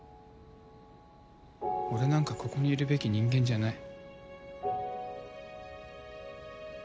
俺なんかここにいるべき人間じゃない。